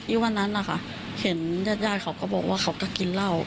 อีกวันนั้นเห็นญาติย่านเขาก็บอกว่าเขาก็กินเหล้า